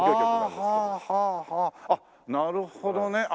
あっなるほどね。